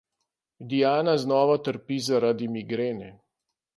Diana znova trpi zaradi migrene.